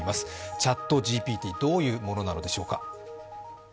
ＣｈａｔＧＰＴ、どういうものなのでしょうか。